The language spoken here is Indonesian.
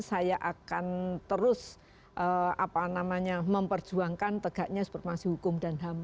saya akan terus apa namanya memperjuangkan tegaknya supermasih hukum dan ham